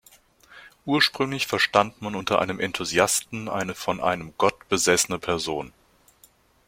Ursprünglich verstand man unter einem "Enthusiasten" eine von einem Gott besessene Person.